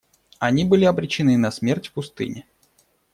Они были обречены на смерть в пустыне.